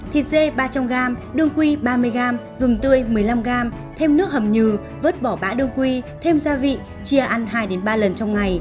thịt chó ba trăm linh g đương quy ba mươi g gừng tươi một mươi năm g thêm nước hầm nhừ vớt bỏ bã đương quy thêm gia vị chia ăn hai ba lần trong ngày